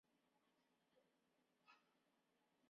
也是东南亚唯一传统上就用筷子作为食具的料理文化。